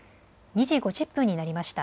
２時５０分になりました。